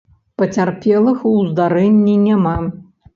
Пацярпелых у здарэнні няма.